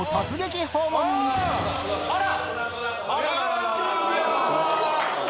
あら！